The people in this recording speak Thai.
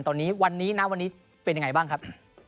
ตอนนี้วันนี้นะวันนี้เป็นยังไงบ้างครับ